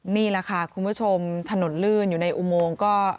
นี่แหละค่ะคุณผู้ชมถนนลื่นอยู่ในอุโมงก็